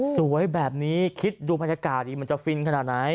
สวยแบบนี้คิดดูบรรยากาศดีมันจะฟินขนาดไหน